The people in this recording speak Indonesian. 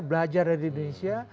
belajar di indonesia